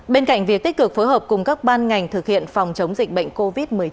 bên cạnh việc tích cực phối hợp cùng các ban ngành thực hiện phòng chống dịch bệnh covid một mươi chín